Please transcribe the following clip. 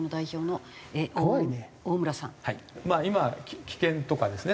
今危険とかですね